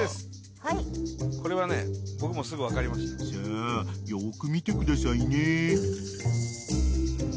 ［さあよく見てくださいね］